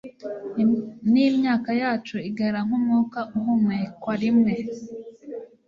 n’imyaka yacu igahera nk’umwuka uhumekwa rimwe